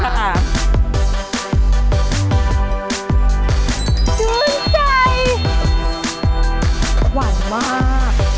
ใช่ค่ะชื่นใจหวังมาก